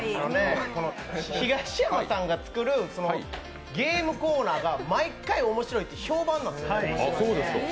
ヒガシヤマさんがつくるゲームコーナーが毎回面白いと評判なんですよ。